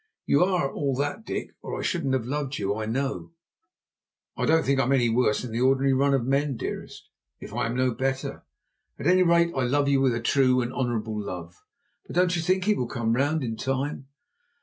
And you are all that, Dick, or I shouldn't have loved you, I know." "I don't think I'm any worse than the ordinary run of men, dearest, if I am no better. At any rate I love you with a true and honourable love. But don't you think he will come round in time?"